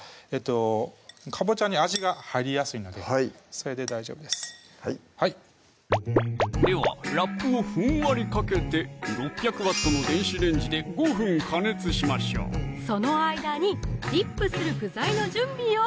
それで大丈夫ですではラップをふんわりかけて６００Ｗの電子レンジで５分加熱しましょうその間にディップする具材の準備よ